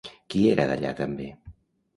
Qui era d'allà també?